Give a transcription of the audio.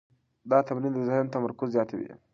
دا تمرین د ذهن تمرکز زیاتوي.